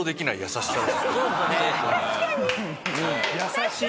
優しい。